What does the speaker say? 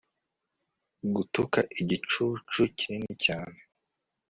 gutuka igicucu kinini cyane